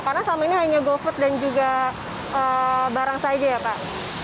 karena selama ini hanya go food dan juga barang saja ya pak